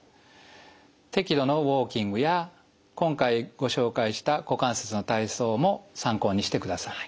適度のウォーキングや今回ご紹介した股関節の体操も参考にしてください。